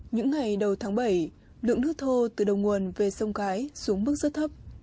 những ngày đầu tháng bảy lượng nước thô từ đầu nguồn về sông cái xuống mức rất thấp